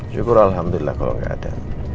syukur alhamdulillah kalau nggak ada